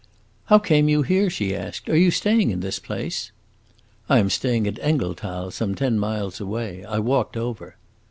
"How came you here?" she asked. "Are you staying in this place?" "I am staying at Engelthal, some ten miles away; I walked over."